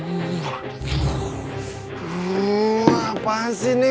apaan sih ini